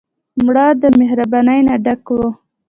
مړه د مهربانۍ نه ډکه وه